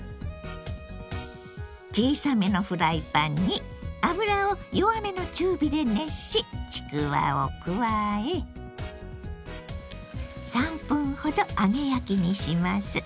小さめのフライパンに油を弱めの中火で熱しちくわを加え３分ほど揚げ焼きにします。